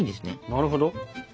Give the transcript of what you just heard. なるほど。